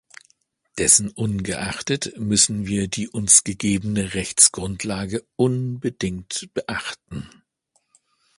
Dessen ungeachtet müssen wir die uns gegebene Rechtsgrundlage unbedingt beachten.